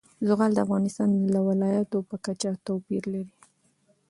زغال د افغانستان د ولایاتو په کچه توپیر لري.